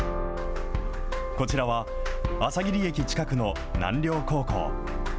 こちらは、あさぎり駅近くの南稜高校。